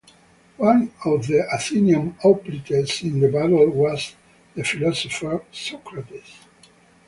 One of the Athenian hoplites in the battle was the philosopher Socrates.